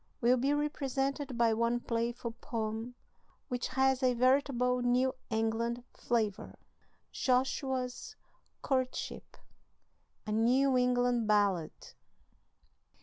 will be represented by one playful poem, which has a veritable New England flavor: JOSHUA'S COURTSHIP. A NEW ENGLAND BALLAD.